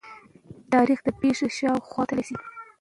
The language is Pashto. تاریخ د پېښې شا او خوا کتلي شي.